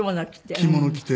着物着て。